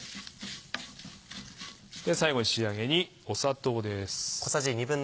最後に仕上げに砂糖です。